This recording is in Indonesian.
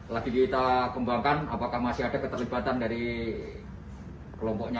lagi kita kembangkan apakah masih ada keterlibatan dari kelompoknya